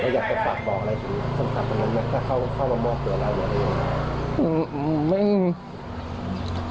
อยากจะฝากบอกอะไรถึงสำคัญของนั้นนะถ้าเข้ามามอบตัวร้ายบ่อย